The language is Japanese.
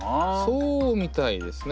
そうみたいですね。